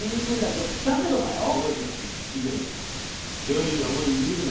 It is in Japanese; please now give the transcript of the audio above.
ケガ人だあまりいじめるな。